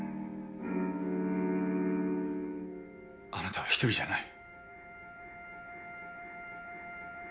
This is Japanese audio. あなたは一人じゃない。